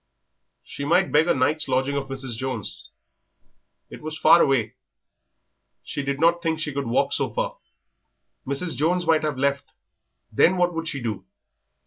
She might beg a night's lodging of Mrs. Jones. It was far away; she did not think she could walk so far. Mrs. Jones might have left, then what would she do?